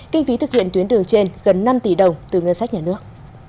kinh phí thực hiện tuyến đường trên gần năm tỷ đồng từ ngân sách nhà nước